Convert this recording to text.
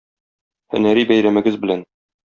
Һөнәри бәйрәмегез белән!